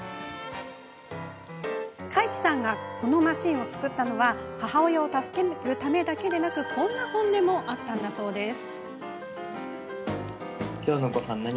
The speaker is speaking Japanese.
開馳さんがマシンを作ったのは母親を助けるためだけではなくこんな本音もあったからなんだそうです。